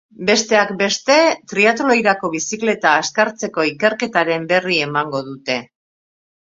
Besteak beste, triatloirako bizikleta azkartzeko ikerketaren berri emango dute.